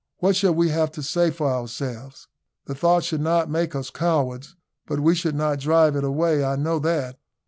What shall we have to say for ourselves? The thought should not make us cowards, but we should not drive it away I know that."